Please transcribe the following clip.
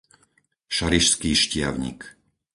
Šarišský Štiavnik